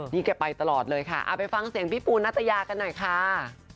นี่แกไปตลอดเลยค่ะเอาไปฟังเสียงพี่ปูนัตยากันหน่อยค่ะ